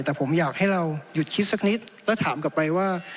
แต่ผมอยากให้เราหยุดคิดสักนิดแล้วถามกลับไปว่า